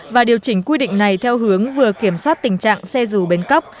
và điều chỉnh quy định này theo hướng vừa kiểm soát tình trạng xe dù bên cốc